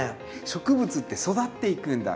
植物って育っていくんだ